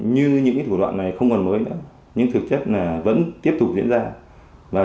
như những thủ đoạn này không còn mới nữa nhưng thực chất là vẫn tiếp tục diễn ra